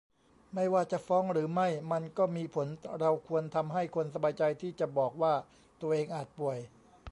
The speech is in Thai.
ไม่ว่าจะฟ้องหรือไม่มันก็มีผล เราควรทำให้คนสบายใจที่จะบอกว่าตัวเองอาจป่วย